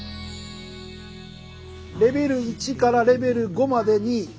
レベル１からレベル５までにええ！